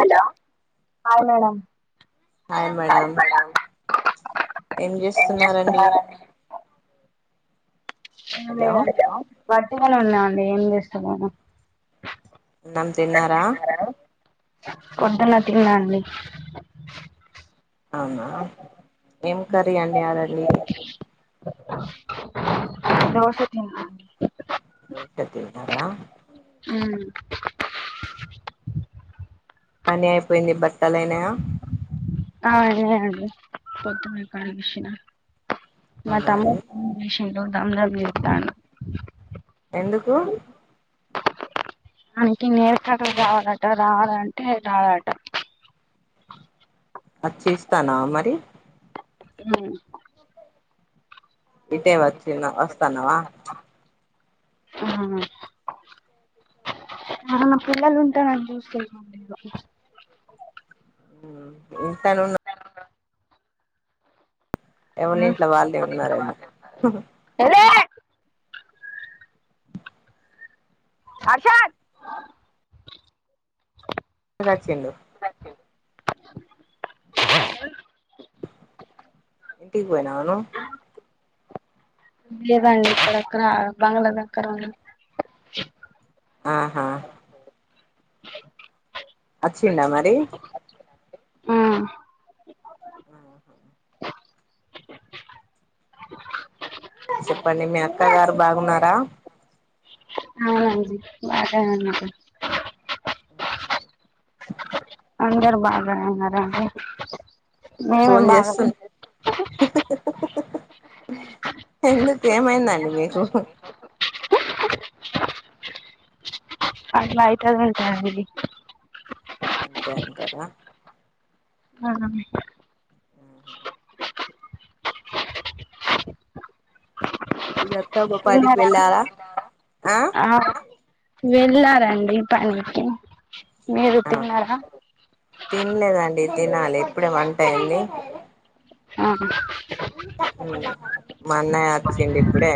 Hello hi madam hi madam ఏం చేస్తున్నారండి ఎం హలో లేదండి వట్టిగానే ఉన్నామండి ఏం చేస్తలేము అన్నం తిన్నారా పొద్దున తిన్నా అండి అవునా ఏం కర్రీ అండి ఆ ర మీది దోష తిన్న దోష తిన్నారా మ్ పని అయిపోయింది బట్టలైనాయ ఆ ఆయనే అండి పోదునే [unintelligible] మా అవునా తమ్ము అండి [unintelligible] లేప్త్తండు ఎందుకు వానికి నెల్ కట్టర్ కావాలట రాడ అంటే రాడట అచ్చి ఇస్తానవ మరి మ్ ఇటే వచ్చి వస్తాన్నావా హా అ పిల్లలు ఉంటరండి [unintelligible] ఇంతనున్ను ఎవలి ఇంట్ల వాళ్ళే ఉన్నారేమో ఎరే ఆషా అచ్చిండూ ఇంటికి బోయినవా ను లేదండి ఇక్కడక్కడా బంగ్లా దగ్గర ఉడి ఆహా అచ్చిడా మరి ఆహా చెప్పండి మీ అక్క గారు బాగున్నారా. అవునండి బాగనే ఉనా అందరు బాగానే ఉన్నారండి మేమే ఫోన్ జేసు బాగానే ఎందుకు ఏంమైందండి మీకు అట్లా అయితాదుంటది దంతనా ఆ రొత్తం ఉపాధికి తిన్నారా వెళ్ళాలా ఆ వెళ్ళారండి పనికి మీరు తిన్నారా తిన్లేదండి తినాలి ఎప్పుడే వంట అయింది ఆహా ఉ మా అన్నయ్య అచ్చిండు ఇప్పుడే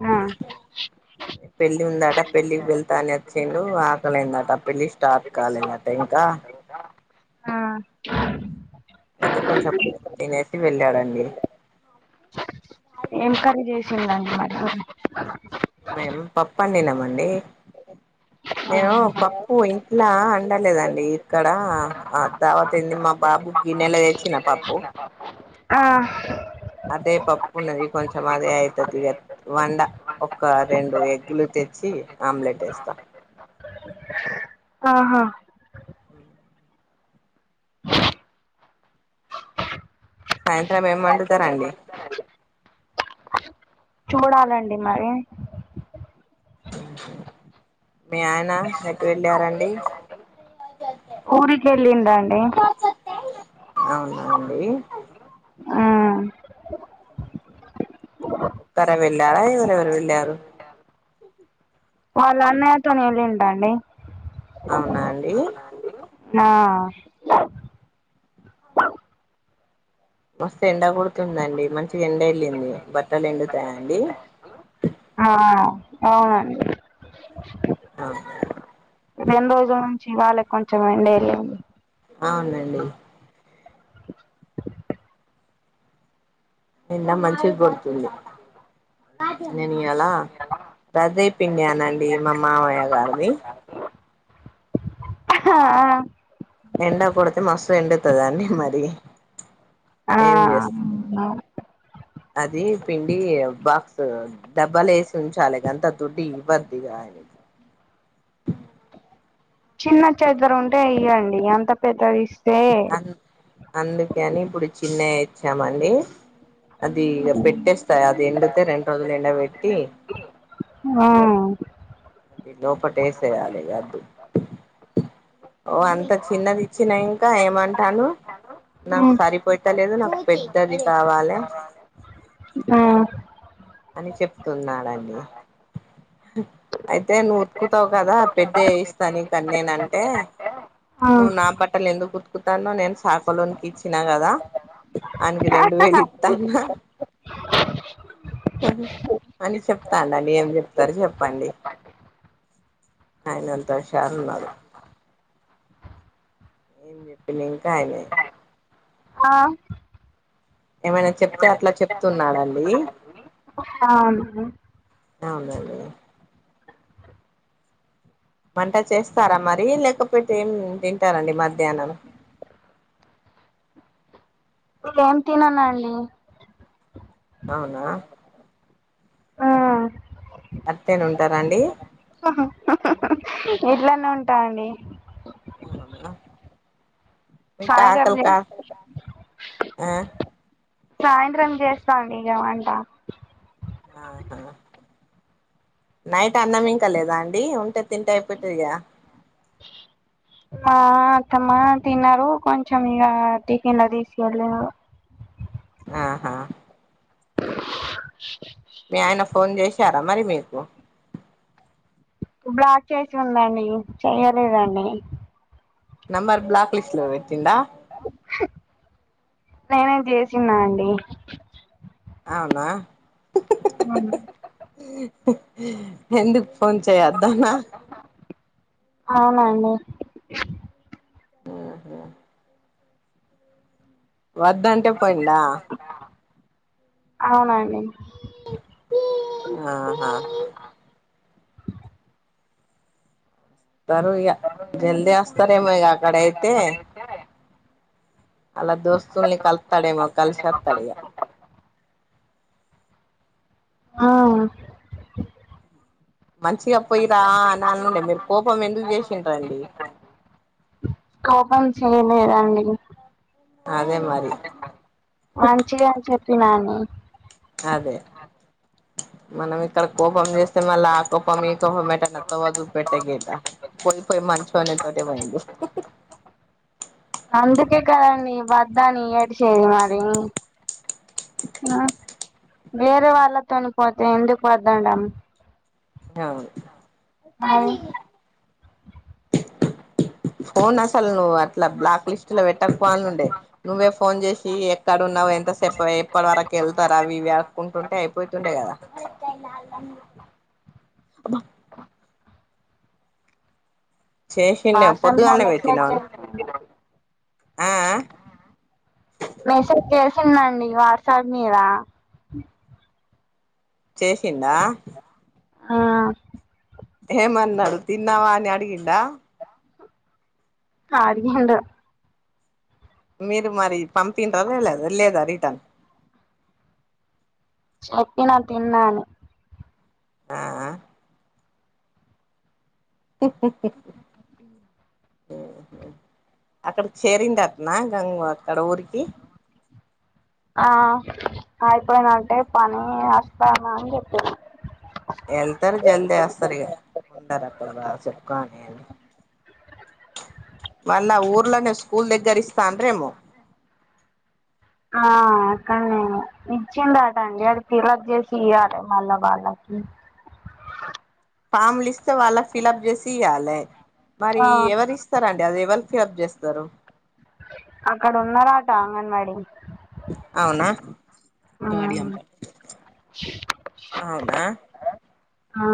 ఉ పెళ్లి ఉందట పెళ్ళికి వెళ్తాని అచ్చిండు ఆకలేందట పెళ్లి స్టార్ట్ కాలేదట ఇంకా ఆ అయితే కొంచెం తినసి వెళ్ళాడండి ఎంకరీ జేసిదండి మరి మేం పప్పు అండిమండి నేను పప్పు ఇలా అండలేదండి ఇక్కడ దేవతైది మా బాబుకు గిన్నెల దేచ్చిన పప్పు ఆ అదే పప్పు ఉన్నది కొంచెం అదే అయితది ఇగా వండ ఒక రెండు ఎగ్గులు తెచ్చి ఆమ్లెట్ ఎస్తా అ ఆహా సాయంత్రం ఏం అండుతారండి చూడాలండి మరి మీ అయిన ఎటు ఎటు వేట్టరండి ఊరికెళ్ళిండు అండి అవునాండి ఆ తరే వెళ్ళారా ఎవరెవరు వెళ్లారు వాళ్ళ అన్నయ్య తోని వెళ్లిండండి అవునా అండి ఆ మస్తు ఎండ కుడుతుందండి మంచిగా ఎండ ఎళ్ళింది బట్టలు ఎండుతాయండి ఆ అవునండి అ రెండు రోజుల నుంచి ఇవాలే కొంచెం ఎండ అవునండి నిన్న మంచిగ [unintelligible] నేను ఇయల [unintelligible] పిండియానండి మా మావయ్య గారిని హ ఎండ కొడితే మస్తు ఎండుతదాన్ని మరి ఆ ఏం చేస్తు అది పిండి బాక్స్ డబ్బలో ఎసి ఉంచాలే కానీంతాదు డ బద్దిగా ఆయ చిన్న చెద్దరు ఉంటే [unintelligible] అంత పెద్దది అ అందుకని ఇప్పుడు చిన్న [unintelligible] ఇచ్చామండి అది ఇగ పెట్టేస్తాయి అది ఎండితే రెండు రోజులు ఎండ పెట్టి ఆ అది లోపట వేసేయాలి [unintelligible] ఓ అంత చిన్నది ఇచ్చినా ఇంకా ఏమంటాను నాకు సరిపోయిత లేదు నాకు పెద్దది కావాలే ఆ అని చెప్తున్నాడు [unintelligible] అయితే నువ్వు ఉతుకుతావు కదా పెద్ద ఇస్తాను ఇ కాని నేనంటే నువ్వు నా బట్టలు ఎందుకు [unintelligible] నేను శాఖలోనికి ఇచ్చినా కదా ఆనికి రెండు వేలు ఇతన్న అని చెప్తా [unintelligible] ఏం చెప్తారు చెప్పండి ఆయన ఎంత హషారు ఉన్నాడు ఏం చెప్పి [unintelligible] ఆ ఏమైన చెప్తే అట్లా చెప్తున్నాడు అండి అ అవున [unintelligible] వంట చేస్తార మరి లేకపోతే ఏం తింటారండి మధ్యానం ఏం తిననండీ అవునా ఉమ్ [unintelligible] ఉంటార అండి హా ఇట్లనే ఉంట అండి ఆనా మీ సాయంత్రం చే కకల్కా ఆ సాయంత్రం చేస్త అండి ఇగ వంట ఆహా నైట్ అన్నం ఇంక లేదా అండి ఉంటే తింటే అయిపోత ఇగా మా అత్తమ్మా తిన్నరు కొంచెం ఇక [unintelligible] తీసి వెళ్ళ ఆహా మీ ఆయన ఫోన్ చేశార మరి మీకు బ్లాక్ చేసి ఉంది అండి చెయ్యలేదండి నంబ బ్లాక్ లిస్ట్ లో పెట్టిండ నేనే చేసిన్న అండి అవునా అవును ఎందుకు ఫోన్ చేయద్దానా అవునండి మ్ హు వద్దంటే పోయిండ అవునండి ఆహా వస్తారు ఇగ జల్దీ వస్తారేమో ఇగ అక్కడ అయితే అలా దోస్తుల్ని కలుతాడేమో కలిసి వస్తాడు ఇగ ఆ మంచిగా పోయిరా అని అననుండే మీరు కోపం ఎందుకు చేసిండ్రండి కోపం చేయలేదండి అదే మరి మంచిగా చెప్పినాన్ని అదే మనం ఇక్కడ కోపం చేస్తే మళ్ళా ఆ కోపం ఈ కోపం ఎటన్న తోవ్వా చుపెట్ట గెల పోయి పోయి మంచి అయినా తోనే పొఇండు అందుకే కదండి ఓద్దని ఏడిచేేది మరి ఆ వేరే వాళ్ళతోని పోతే ఎందుకు వద్దనడం అవును మరి ఫోన్ అసలు నువ్వు అట్లా బ్లాక్ లిస్ట్ లో పెట్టకపో నుండే నువ్వే ఫోన్ చేసి ఎక్కడున్నావ్ ఎంత సేప్ ఎప్పటి వరకు వెళ్తారు అవి ఇవి ఆడుకుంట ఉంటే అయిపోతుంటే కదా అ బ చేసిండే అసలు పొద్దుగానే పెట్టినాను [unintelligible] ఆ ఆ మెసేజ్ చేసిందండి వాట్సాప్ మీద అ చేసిండ ఆ కేమన్నాడు తిన్నావా అని అడిగిండా అడిగిండు మీరు మరి పంపిడ్ర లే లేదా రిటర్న్ చెప్పిన తిన్నాను ఆ క్క్క్ అక్కడికి చేరిందట్నా గంగ అక్కడ ఊరికి ఆ అయిపోయినంటే పని అస్తాన అని చెప్పరు వెళ్తారు జల్దీ వేస్తారు ఇగ ఉంటారు అక్కడ బాగా చెప్కోని అని మళ్ళా ఊర్లోనేే స్కూల్ దగ్గర ఇస్తండ్రెమో ఆ అక్కన్నే ఇచ్చిందాట అండి అది పిలప్ చేసి ఇయ్వాలి మళ్ళ వాళ్ళకి ఫామ్లు ఇస్తే వాళ్ళకు ఫిలప్ చేసి ఇయ్యలే మరి ఆ ఎవరిస్ స్తరండి అది ఎవల్ ఫిలప్ చేస్తారు అక్కడ ఉన్నారట అంగన్వాడి అవునా అవునా ఆ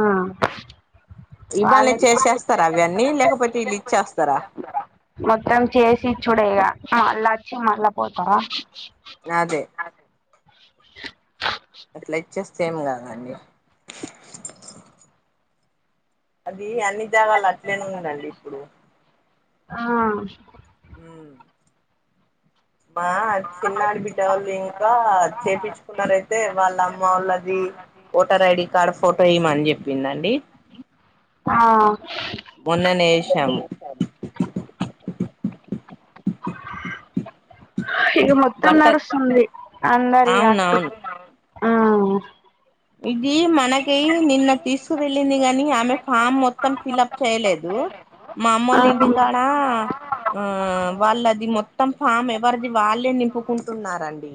ఇవ్వలే వాళ్ళే చేసేస్తారా అవన్నీ లేకపోతే వీళ్ళు ఇచ్చేస్తారా మొత్తం చేసి ఇచ్చుడే ఇగా మళ్ళా వచ్చి మళ్ళ పోతారా అదే అట్లా ఇచ్చేస్తే ఏమ్ కాదండి అది అన్ని జాగాల అట్లేనే ఉందండి. ఇప్పుడు ఆ హ్ మా చిన్నా ఆడి బిడ్డే వాళ్ళు ఇంకా చేపించు చూకున్నారయితే వాళ్ళ అమ్మ వాళ్ళది ఓటర్ ఐడి కార్డు ఫోటో ఇయ్యమని చెప్పిందండి. ఆ మొన్ననే వేసాము ఇగా మొత్తం బట్టర్ నాడుస్తుంది అందరి అ అవునవును ఆ ఇది మనకి నిన్న తీసుకు వెెళ్ళింది. గాని ఆమె ఫామ్ మొత్తం ఫిలప్ చేయలేదు మా అమ్మ వోళ్ళ ఇంటి ఆ కాడా ఆ వాళ్ళది మొత్తం ఫామ్ ఎవరిది వాళ్ళే నింపుకుంటున్నరండి.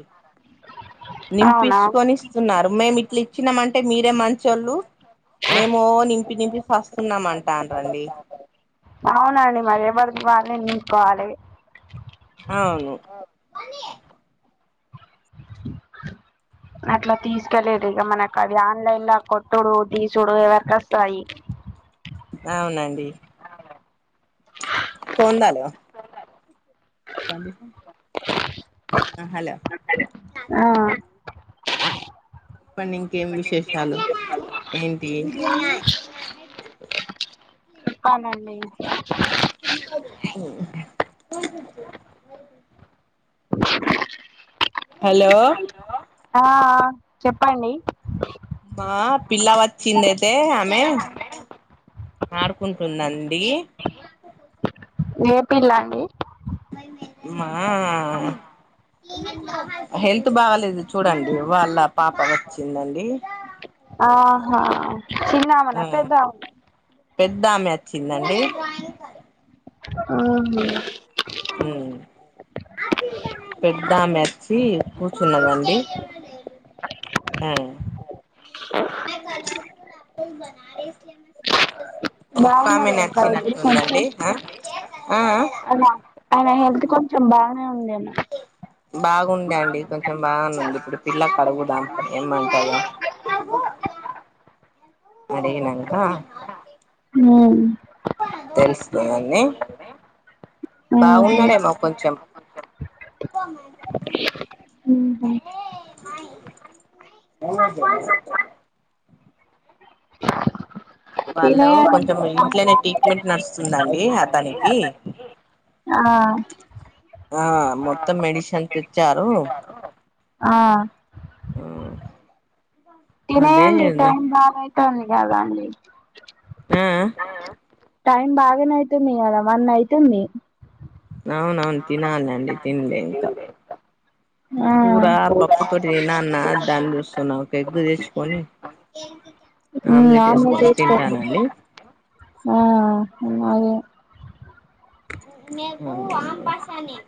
అవునా నింపించుకొని ఇస్తున్నారు. మేము ఇట్లా ఇచ్చినామంటే మీరే మంచోళ్ళు మేము నింపి నింపి సస్తున్నాము అని అంటాలు అండి అవునండి. మరి ఎవరిది వల్లే నింపుకోవాలి అవును అట్లా తీసుక లేదు ఇక మనకు అవి ఆన్లైన్ లా కొట్టుడు తీసుడు ఎవరికి ఆస్తాయి. అవునండి కొందాల [unintelligible] హలో ఆ చెప్పండి ఇంకేం విశేషాలు ఏంటి అ చెప్పాలండి హలో ఆ చెప్పండి మా పిల్ల వచ్చింది అయితే ఆమె ఆడుకుంటుందండి ఏ పిల్లా అండి మా హెల్త్ బాగాలేదు చూడండి. వాళ్ళ పాప వచ్చిందండి ఆహా చిన్న ఆ పెద్ద ఆమె వచ్చిందండి ఆవున హ్ పెద్ద ఆమె వచ్చి కూర్చున్నదండి. ఆ ఒక్కామె బాగున్నారు అక్క అయితే నచ్చినట్టుందండి ఆ ఆ అవునా ఆమె హెల్త్ కొంచెం బానే ఉంద బాగుంది అండి కొంచెం బాగుందంది ఇప్పుడు పిల్లలకు అడుగుదాం ఏమంటదొ అడిగినంక ఉ [unintelligible] ఉహు బాగున్నాడేమో కొంచెం ఉహు [unintelligible] వాళ్ళు తినేయండి కొంచెం ఇంట్లోనే ట్రీట్మెంట్ నడుస్తుందండి దానికి ఆ ఆ మొత్తం మెడిసన్ తెచ్చారు ఆ ఆ తినేయండి టైం బాగ అవుతది కదా అండి ఆ టైం బానే అయితుంది కదా వన్ అయితుంది అవున అవును తినాలి అండి తినలే ఇంకా ఆ కూర పప్పు తోటి నాన్న దాన్ని చూస్తున్నా ఒక ఎగ్ తెచ్చుకొని [unintelligible] ఆమ్లెట్ వేసుకొని తింటానండి [unintelligible] ఆ అదే నే అమ్ పసాని